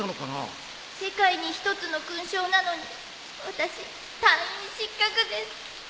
世界に一つの勲章なのに私隊員失格です。